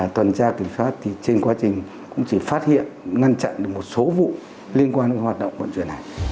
toàn gia kiểm soát thì trên quá trình cũng chỉ phát hiện ngăn chặn được một số vụ liên quan đến hoạt động vận chuyển hàng hóa